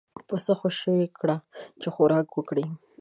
پسه خوشی کړه چې خوراک وکړي.